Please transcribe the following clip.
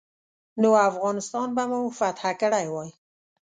نو افغانستان به مو فتح کړی وای.